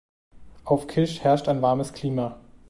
Auf Kisch herrscht ein warmes Klima.